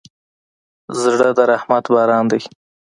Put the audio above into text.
زړه د رحمت باران دی.